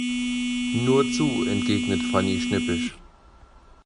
Nur zu, entgegnet Fanny schnippisch.